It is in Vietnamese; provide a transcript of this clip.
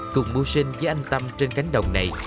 cùng mưu sinh với anh tâm trên cánh đồng này